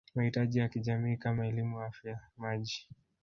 mahitaji ya kijamii kama elimu Afya Maji